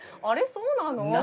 あれそうなの？